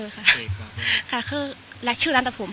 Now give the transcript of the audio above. เราก็ชื่อเล่นตะโผงพ่อ